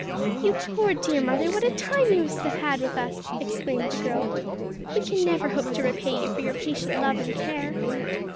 "You poor, dear mother, what a time you must have had with us!" exclaimed the girl. "We can never hope to repay you for your patient love and care."